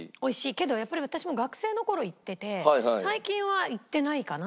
けどやっぱり私も学生の頃行ってて最近は行ってないかな